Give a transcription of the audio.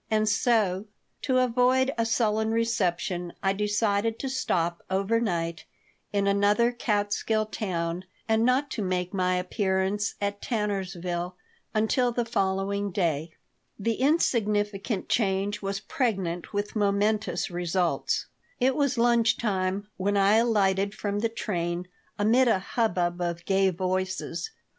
And so, to avoid a sullen reception I decided to stop overnight in another Catskill town and not to make my appearance at Tannersville until the following day The insignificant change was pregnant with momentous results It was lunch time when I alighted from the train, amid a hubbub of gay voices.